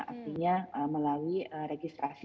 artinya melalui registrasi